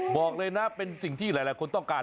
บอกเลยนะเป็นสิ่งที่หลายคนต้องการ